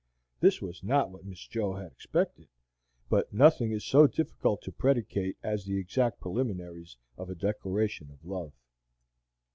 This was not what Miss Jo had expected, but nothing is so difficult to predicate as the exact preliminaries of a declaration of love.